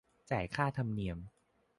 จ่ายค่าธรรมเนียม